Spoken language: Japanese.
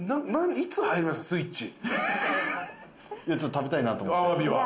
ちょっと食べたいなと思って。